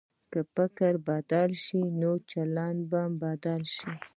که فکر بدل شي، نو چلند به بدل شي.